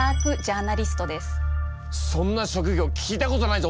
そんな職業聞いたことないぞ。